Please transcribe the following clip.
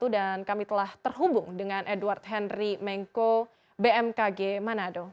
dan kami telah terhubung dengan edward henry mengko bmkg manado